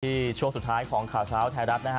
ช่วงสุดท้ายของข่าวเช้าไทยรัฐนะฮะ